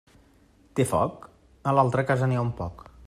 Té foc? A l'altra casa n'hi ha un poc.